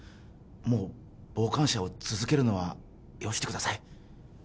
もう傍観者を続けるのはよしてください